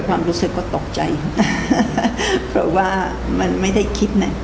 ความรู้สึกก็ตกใจเพราะว่ามันไม่ได้คิดนะ